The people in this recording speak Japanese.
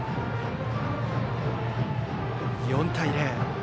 ４対０。